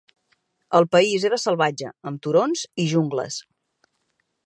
El país era salvatge, amb turons i jungles.